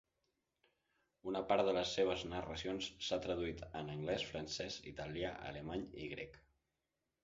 Una part de les seves narracions s'ha traduït en anglès, francès, italià, alemany i grec.